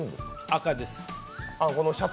赤です。